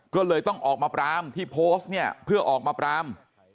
ก็เลยต้องออกมาปรามที่โพสต์เนี่ยเพื่อออกมาปราม